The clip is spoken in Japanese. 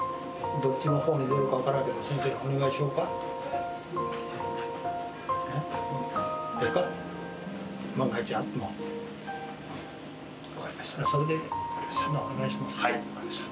どっちのほうに出るか分からんけど、先生にお願いしようか？